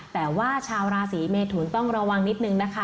แต่ว่าชาวราศีเมทุนต้องระวังนิดนึงนะคะ